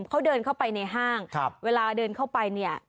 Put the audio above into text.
เขาเดินเข้าไปในห้างเวลาเดินเข้าไปเนี่ย